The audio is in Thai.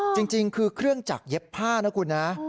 จริงคือเครื่องจักรเย็บผ้านะคุณนะ